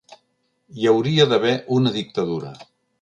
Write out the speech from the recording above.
Hi hauria d'haver una dictadura